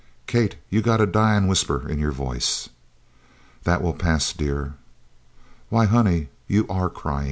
"Kate, you got a dyin' whisper in your voice." "That will pass, dear." "Why, honey, you are cryin'!"